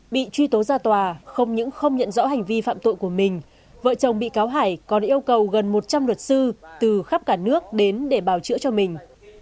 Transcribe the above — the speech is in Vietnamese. bị truy tố ra tòa không những không nhận rõ hành vi phạm tội của mình vợ chồng bị cáo hải còn yêu cầu gần một trăm linh luật sư từ khắp cả nước đến để bảo chữa cho mình